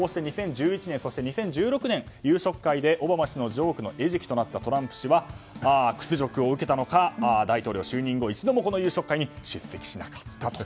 こうして２０１１年、２０１６年夕食会でオバマ氏のジョークの餌食となったトランプ氏は屈辱を受けたのか大統領就任後一度もこの夕食会に出席しなかったと。